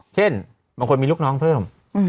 เช่นบางคนมีลูกน้องเพิ่ม